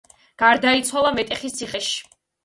გარდაიცვალა მეტეხის ციხეში.